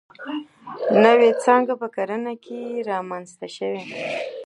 نوې څانګې په کرنه کې رامنځته شوې.